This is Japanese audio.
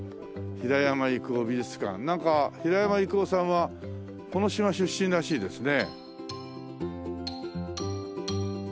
「平山郁夫美術館」なんか平山郁夫さんはこの島出身らしいですね。